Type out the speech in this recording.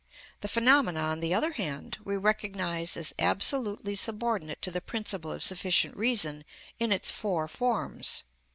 The phenomena, on the other hand, we recognise as absolutely subordinate to the principle of sufficient reason in its four forms.